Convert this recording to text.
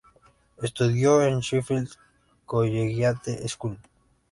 Estudió en Sheffield Collegiate School.